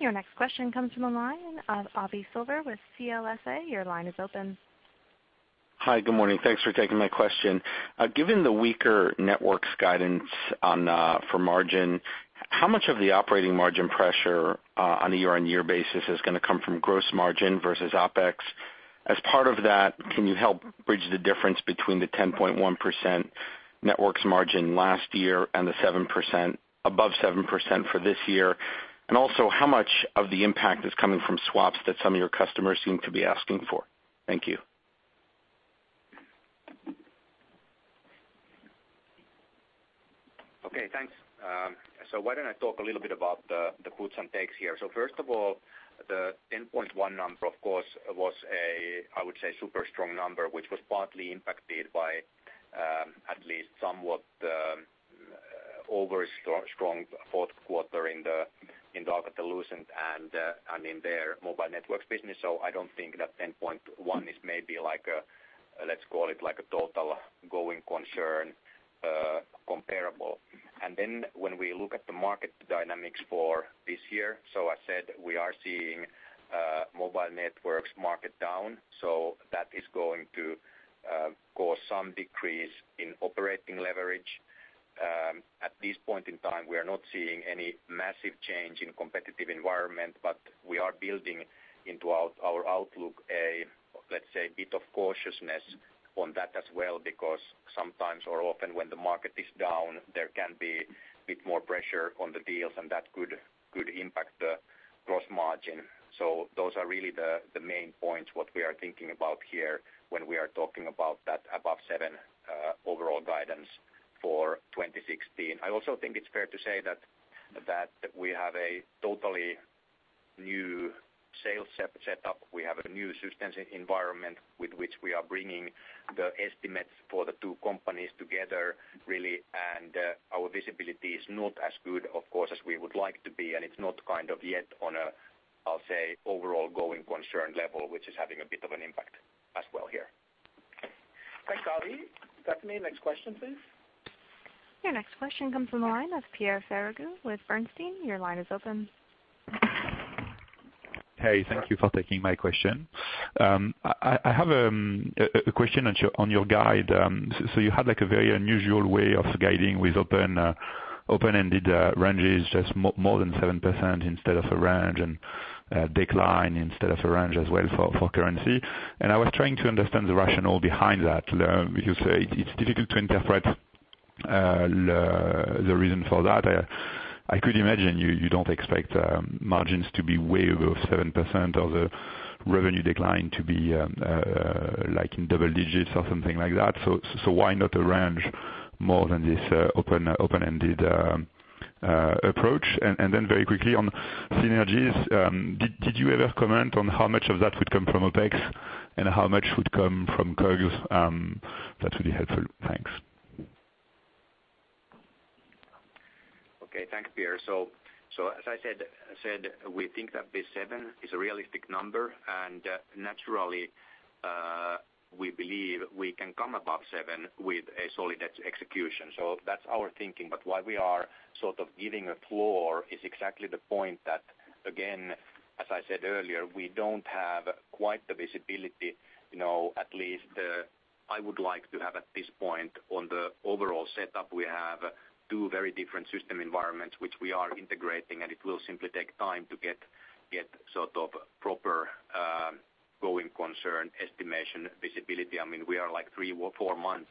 Your next question comes from the line of Avi Silver with CLSA. Your line is open. Hi. Good morning. Thanks for taking my question. Given the weaker networks guidance for margin, how much of the operating margin pressure on a year-over-year basis is going to come from gross margin versus OpEx? As part of that, can you help bridge the difference between the 10.1% networks margin last year and the above 7% for this year? Also, how much of the impact is coming from swaps that some of your customers seem to be asking for? Thank you. Okay. Thanks. Why don't I talk a little bit about the gives and takes here. First of all, the 10.1 number of course, was a, I would say, super strong number, which was partly impacted by at least somewhat over strong fourth quarter in the Alcatel-Lucent and in their Mobile Networks business. I don't think that 10.1 is maybe like a, let's call it like a total going concern comparable. When we look at the market dynamics for this year, I said we are seeing Mobile Networks market down. That is going to cause some decrease in operating leverage. At this point in time, we are not seeing any massive change in competitive environment, but we are building into our outlook a, let's say, a bit of cautiousness on that as well, because sometimes or often when the market is down, there can be a bit more pressure on the deals, and that could impact the gross margin. Those are really the main points, what we are thinking about here when we are talking about that above seven overall guidance for 2016. I also think it's fair to say that we have a totally new sales set up. We have a new systems environment with which we are bringing the estimates for the two companies together, really, and our visibility is not as good, of course, as we would like to be, and it's not kind of yet on a, I'll say, overall going concern level, which is having a bit of an impact as well here. Thanks, Avi. Stephanie, next question, please. Your next question comes from the line of Pierre Ferragu with Bernstein. Your line is open. Hey, thank you for taking my question. I have a question on your guide. You had like a very unusual way of guiding with open-ended ranges, just more than 7% instead of a range and a decline instead of a range as well for currency. I was trying to understand the rationale behind that because it's difficult to interpret the reason for that. I could imagine you don't expect margins to be way above 7% or the revenue decline to be like in double digits or something like that. Why not a range more than this open-ended approach? Then very quickly on synergies, did you ever comment on how much of that would come from OpEx and how much would come from COGS? That's really helpful. Thanks. As I said, we think that this seven is a realistic number. Naturally, we believe we can come above seven with a solid execution. That's our thinking. Why we are sort of giving a floor is exactly the point that, again, as I said earlier, we don't have quite the visibility. At least I would like to have at this point on the overall setup, we have two very different system environments, which we are integrating. It will simply take time to get sort of proper growing concern estimation visibility. I mean, we are like three or four months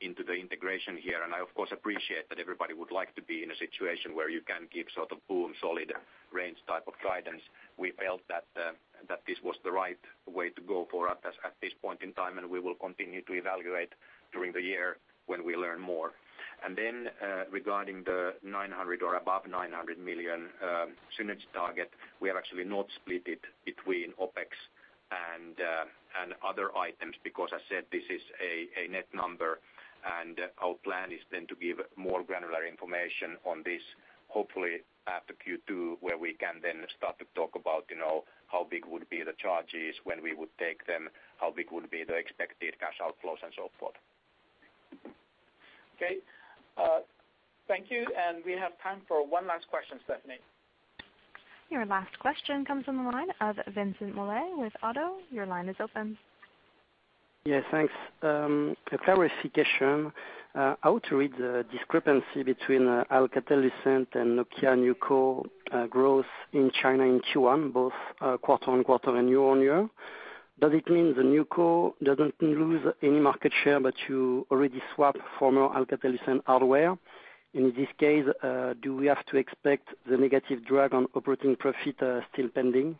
into the integration here, and I of course appreciate that everybody would like to be in a situation where you can give sort of boom, solid range type of guidance. We felt that this was the right way to go for us at this point in time. We will continue to evaluate during the year when we learn more. Then, regarding the 900 million or above 900 million synergy target, we have actually not split it between OpEx and other items because I said this is a net number. Our plan is then to give more granular information on this, hopefully after Q2, where we can then start to talk about how big would be the charges, when we would take them, how big would be the expected cash outflows and so forth. Okay. Thank you. We have time for one last question, Stephanie. Your last question comes on the line of Vincent Mallet with Oddo. Your line is open. Yes, thanks. A clarification, how to read the discrepancy between Alcatel-Lucent and Nokia NewCo growth in China in Q1, both quarter-on-quarter and year-on-year. Does it mean the NewCo doesn't lose any market share, but you already swapped former Alcatel-Lucent hardware? In this case, do we have to expect the negative drag on operating profit still pending?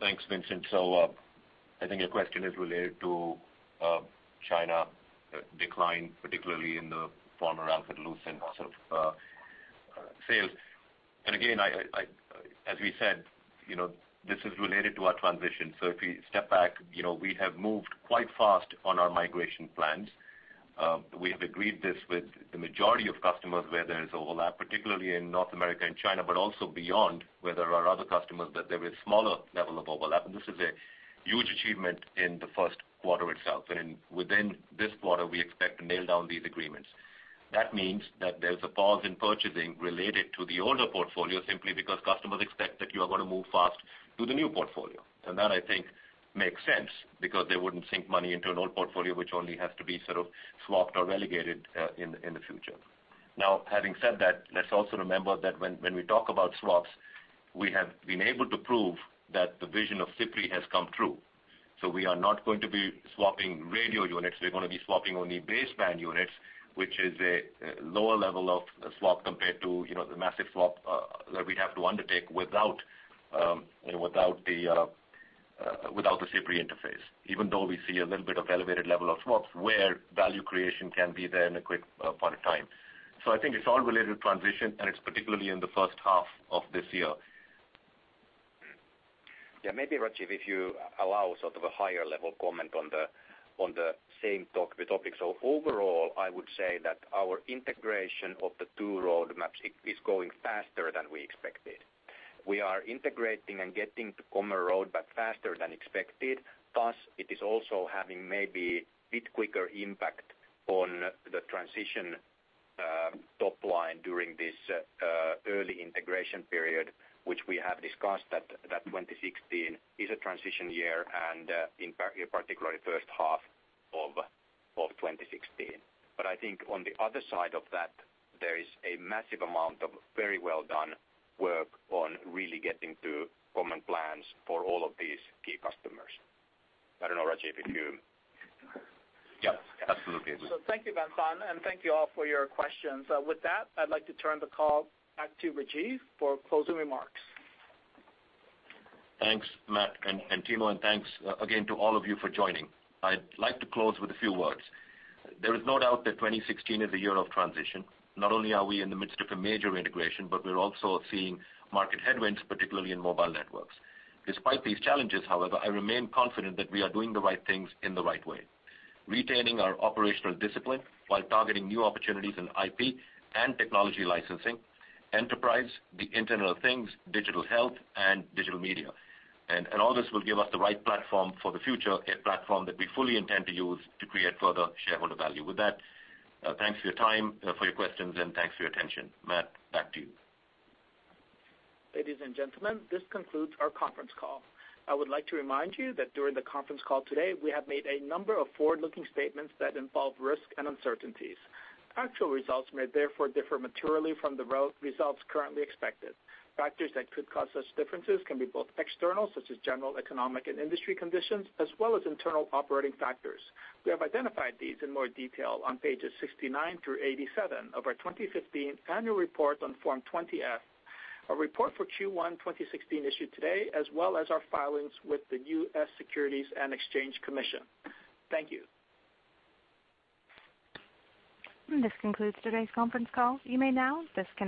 Thanks, Vincent. I think your question is related to China decline, particularly in the former Alcatel-Lucent sort of sales. Again, as we said, this is related to our transition. If you step back, we have moved quite fast on our migration plans. We have agreed this with the majority of customers where there is overlap, particularly in North America and China, but also beyond where there are other customers, but there is smaller level of overlap. Within this quarter, we expect to nail down these agreements. That means that there's a pause in purchasing related to the older portfolio simply because customers expect that you are going to move fast to the new portfolio. That, I think, makes sense because they wouldn't sink money into an old portfolio which only has to be sort of swapped or relegated in the future. Having said that, let's also remember that when we talk about swaps, we have been able to prove that the vision of CPRI has come true. We are not going to be swapping radio units, we're going to be swapping only baseband units, which is a lower level of swap compared to the massive swap that we'd have to undertake without the CPRI interface, even though we see a little bit of elevated level of swaps where value creation can be there in a quick point of time. I think it's all related to transition, and it's particularly in the first half of this year. Yeah, maybe, Rajeev, if you allow sort of a higher level comment on the same topic. Overall, I would say that our integration of the two roadmaps is going faster than we expected. We are integrating and getting to common roadmap faster than expected. Thus, it is also having maybe a bit quicker impact on the transition top line during this early integration period, which we have discussed that 2016 is a transition year and in particular first half of 2016. I think on the other side of that, there is a massive amount of very well done work on really getting to common plans for all of these key customers. I don't know, Rajeev, if you Yeah, absolutely. Thank you, Vincent, and thank you all for your questions. With that, I'd like to turn the call back to Rajeev for closing remarks. Thanks, Matt and Timo, and thanks again to all of you for joining. I'd like to close with a few words. There is no doubt that 2016 is a year of transition. Not only are we in the midst of a major integration, but we are also seeing market headwinds, particularly in Mobile Networks. Despite these challenges, however, I remain confident that we are doing the right things in the right way. Retaining our operational discipline while targeting new opportunities in IP and technology licensing, enterprise, the Internet of Things, digital health, and digital media. All this will give us the right platform for the future, a platform that we fully intend to use to create further shareholder value. With that, thanks for your time, for your questions, and thanks for your attention. Matt, back to you. Ladies and gentlemen, this concludes our conference call. I would like to remind you that during the conference call today, we have made a number of forward-looking statements that involve risk and uncertainties. Actual results may therefore differ materially from the results currently expected. Factors that could cause such differences can be both external, such as general economic and industry conditions, as well as internal operating factors. We have identified these in more detail on pages 69 through 87 of our 2015 annual report on Form 20-F, our report for Q1 2016 issued today, as well as our filings with the U.S. Securities and Exchange Commission. Thank you. This concludes today's conference call. You may now disconnect.